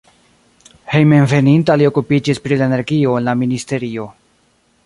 Hejmenveninta li okupiĝis pri la energio en la ministerio.